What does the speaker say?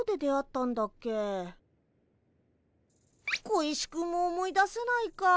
小石くんも思い出せないか。